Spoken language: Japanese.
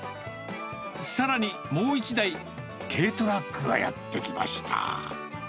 さらにもう１台、軽トラックがやって来ました。